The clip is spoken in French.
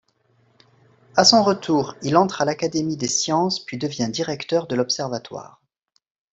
À son retour, il entre à l'Académie des sciences puis devient directeur de l'Observatoire.